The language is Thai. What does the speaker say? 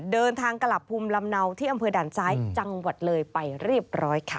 เดินทางกลับภูมิลำเนาที่อำเภอด่านซ้ายจังหวัดเลยไปเรียบร้อยค่ะ